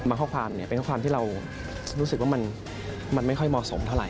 ข้อความเป็นข้อความที่เรารู้สึกว่ามันไม่ค่อยเหมาะสมเท่าไห